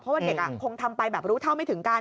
เพราะว่าเด็กคงทำไปแบบรู้เท่าไม่ถึงการ